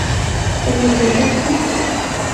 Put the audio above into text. তোমরা ঠিক আছো?